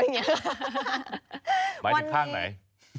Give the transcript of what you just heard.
วันนี้มาที่ข้างไหน